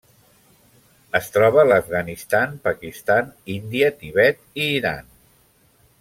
Es troba a l'Afganistan, Pakistan, Índia, Tibet i Iran.